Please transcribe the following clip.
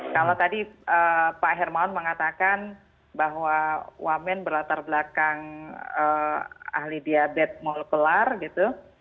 kalau tadi pak hermawan mengatakan bahwa wamen berlatar belakang ahli diabetes molekular gitu